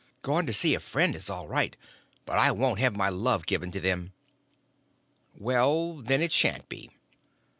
"Gone to see a friend is all right, but I won't have my love given to them." "Well, then, it sha'n't be."